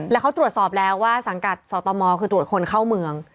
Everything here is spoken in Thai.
แล้วเขาตรวจสอบแล้วว่าสังกัดสตมคือตรวจคนเข้าเมือง